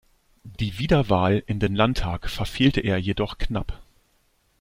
Die Wiederwahl in den Landtag verfehlte er jedoch knapp.